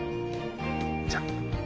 じゃあ。